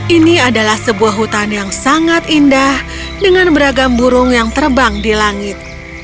ini adalah sebuah hutan yang sangat indah dengan beragam burung yang terbang di langit